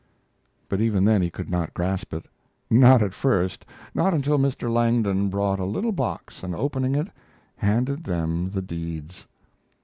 But even then he could not grasp it; not at first, not until Mr. Langdon brought a little box and, opening it, handed them the deeds.